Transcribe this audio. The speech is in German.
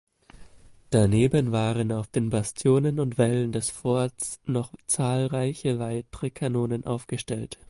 Daneben waren auf den Bastionen und Wällen des Forts noch zahlreiche weitere Kanonen aufgestellt.